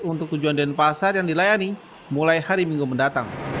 untuk tujuan denpasar yang dilayani mulai hari minggu mendatang